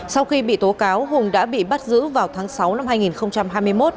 sau khi bị tố cáo hùng đã bị bắt giữ vào tháng sáu năm hai nghìn hai mươi một